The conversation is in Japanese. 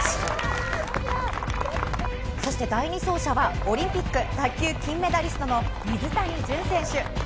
そして第２走者は、オリンピック卓球金メダリストの水谷隼選手。